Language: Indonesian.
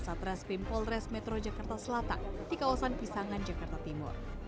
satreskrim polres metro jakarta selatan di kawasan pisangan jakarta timur